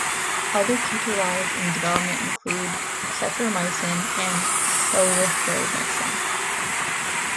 Other ketolides in development include cethromycin and solithromycin.